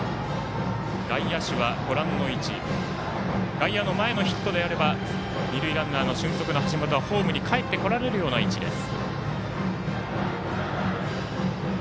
外野の前のヒットであれば二塁ランナーの俊足の橋本はホームにかえってこられるような位置です。